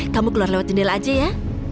kamu keluar lewat jendela aja ya